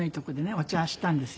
お茶をしたんですよ。